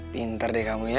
pinter deh kamu ya